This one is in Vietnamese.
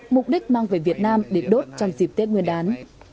mục đích mang về việt nam để đốt trong dịp tết nguyên đán